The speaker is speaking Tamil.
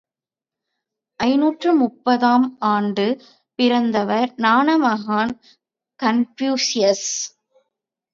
ஐநூற்று முப்பது ஆம் ஆண்டில் பிறந்தவர், ஞான மகான் கன்பூசியஸ்.